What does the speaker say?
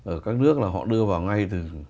ở các nước là họ đưa vào ngay